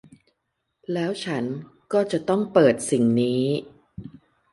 แล้วฉันก็จะต้องเปิดสิ่งนี้